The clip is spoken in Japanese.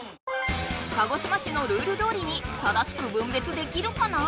鹿児島市のルールどおりに正しく分別できるかな？